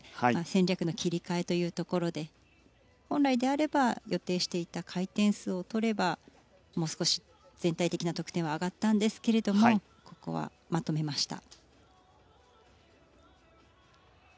戦略の切り替えというところで本来であれば予定していた回転数をとればもう少し全体的な得点は上がったんですがここはまとめました。